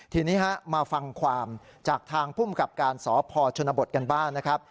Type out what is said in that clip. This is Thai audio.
ทีนี้มาฟังความจากทางพุ่มกับการสพชบกันบ้าง